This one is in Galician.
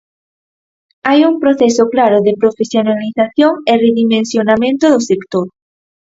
Hai un proceso claro de profesionalización e redimensionamento do sector.